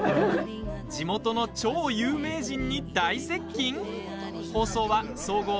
地元の超有名人に大接近？